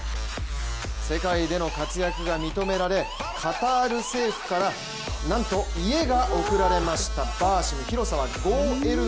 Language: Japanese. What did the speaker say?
世界での活躍を認められカタール政府からなんと家が贈られましたバーシム、広さは５ＬＤＫ。